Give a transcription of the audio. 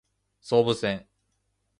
総武線